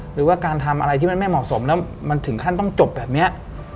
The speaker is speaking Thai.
หรือว่าการทำอะไรที่มันไม่เหมาะสมแล้วมันถึงขั้นต้องจบแบบนี้